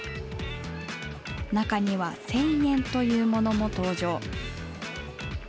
中には１０００円というものも登場。